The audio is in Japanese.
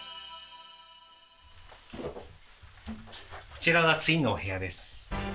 こちらがツインのお部屋です。